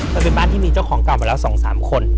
มันเป็นบ้านที่มีเจ้าของเก่ามาแล้ว๒๓คน